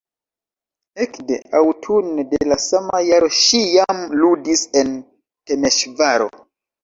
Ekde aŭtune de la sama jaro ŝi jam ludis en Temeŝvaro.